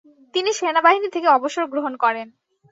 তিনি সেনাবাহিনী থেকে অবসর গ্রহণ করেন।